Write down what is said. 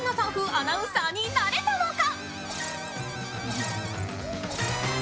アナウンサーになれたのか？